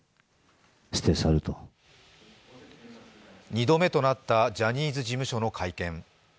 ２度目となったジャニーズ事務所の会見。